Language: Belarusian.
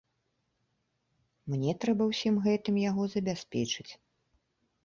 Мне трэба ўсім гэтым яго забяспечыць.